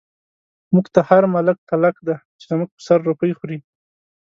موږ ته هر ملک تلک دی، چی زموږ په سر روپۍ خوری